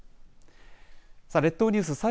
さあ列島ニュース